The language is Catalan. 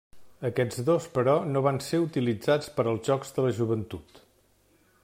Aquests dos però no van ser utilitzats per als Jocs de la Joventut.